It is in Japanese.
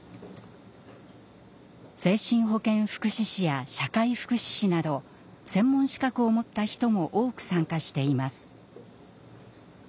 精神保健福祉士や社会福祉士など専門資格を持った人も多く参加しています。